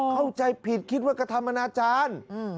เข้าใจผิดคิดว่ากระทำอนาจารย์